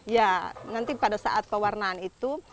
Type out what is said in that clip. iya nanti pada saat pewarnaan itu